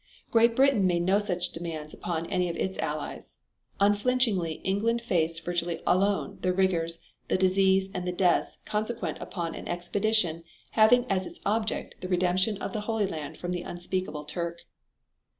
Great Britain made no such demands upon any of its Allies. Unflinchingly England faced virtually alone the rigors, the disease and the deaths consequent upon an expedition having as its object the redemption of the Holy Land from the unspeakable Turk.